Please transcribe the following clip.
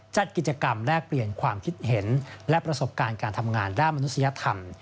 จัดกิจกรรมแลกเปลี่ยนความคิดเห็นและประสบการณ์การทำงานด้านมนุษยธรรม